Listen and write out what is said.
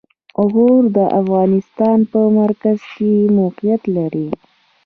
غور د افغانستان په مرکز کې موقعیت لري.